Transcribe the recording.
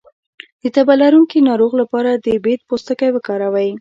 د تبه لرونکي ناروغ لپاره د بید پوستکی وکاروئ